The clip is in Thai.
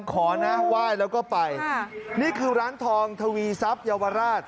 ขอนะไหว้แล้วก็ไปนี่คือร้านทองทวีทรัพย์เยาวราช